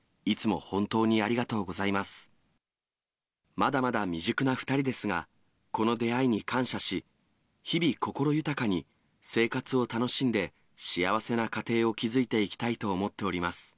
まだまだ未熟な２人ですが、この出会いに感謝し、日々心豊かに、生活を楽しんで、幸せな家庭を築いていきたいと思っております。